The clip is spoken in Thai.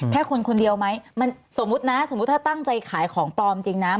แค่คนคนเดียวไหมสมมตินะถ้าตั้งใจขายของปลอมจริงนะ